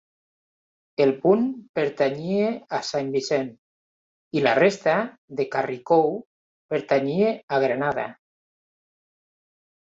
El punt pertanyia a Saint Vincent i la resta de Carriacou pertanyia a Grenada.